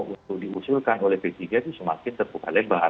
untuk diusulkan oleh p tiga itu semakin terbuka lebar